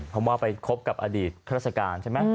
ผมว่าไปครบกับอดีตราศกาลใช่ไหม